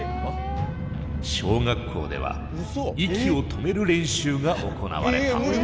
小学校では息を止める練習が行われた。